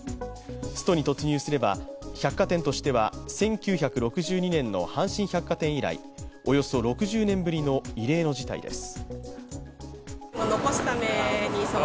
ストに突入すれば、百貨店としては１９６２年の阪神百貨店以来、およそ６０年ぶりの異例の事態です。